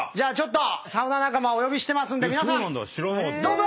サウナ仲間お呼びしてますんで皆さんどうぞ！